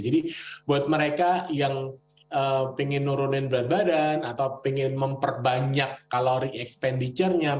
jadi buat mereka yang ingin nurunin berat badan atau ingin memperbanyak kalori expenditure nya